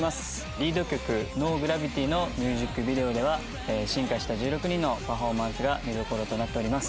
リード曲『ＮＯＧＲＡＶＩＴＹ』のミュージックビデオでは進化した１６人のパフォーマンスが見どころとなっております。